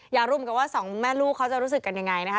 อย่ารุมกันว่าสองแม่ลูกเขาจะรู้สึกกันยังไงนะคะ